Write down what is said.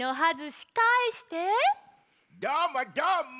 どーもどーも！